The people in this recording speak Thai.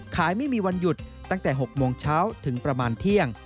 ไม่มีวันหยุดตั้งแต่๖โมงเช้าถึงประมาณเที่ยง